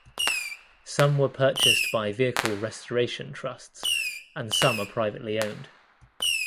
Some were purchased by vehicle restoration trusts and some are privately owned.